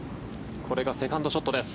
これがセカンドショットです。